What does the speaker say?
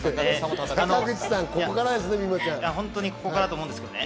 ここからだと思うんですけどね。